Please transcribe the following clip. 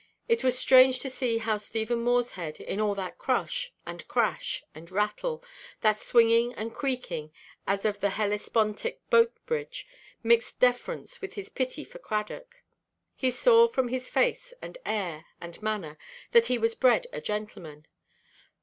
It was strange to see how Stephen Morshead, in all that crush, and crash, and rattle, that swinging and creaking as of the Hellespontic boat–bridge, mixed deference with his pity for Cradock. He saw, from his face, and air, and manner, that he was bred a gentleman.